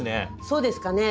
そうですかね？